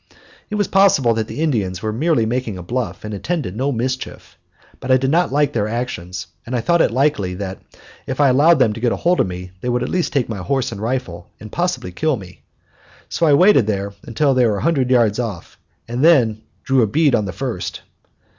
It was possible that the Indians were merely making a bluff and intended no mischief. But I did not like their actions, and I thought it likely that if I allowed them to get hold of me they would at least take my horse and rifle, and possibly kill me. So I waited until they were a hundred yards off and then drew a bead on the first.